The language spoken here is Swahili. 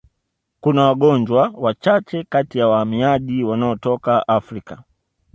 Kuna wagonjwa wachache kati ya wahamiaji wanaotoka Afrika